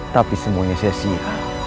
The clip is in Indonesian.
tapi semuanya saya sia